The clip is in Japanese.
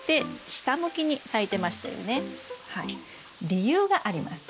理由があります。